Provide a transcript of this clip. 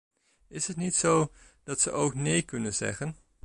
Is het niet zo dat ze ook nee kunnen zeggen?